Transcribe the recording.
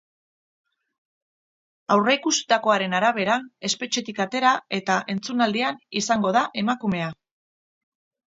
Aurreikusitakoaren arabera, espetxetik atera, eta entzunaldian izango da emakumea.